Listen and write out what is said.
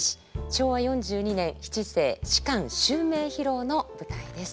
昭和４２年七世芝襲名披露の舞台です。